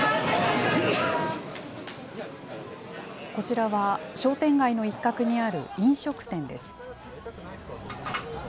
こちらは商店街の一角にある飲食店です。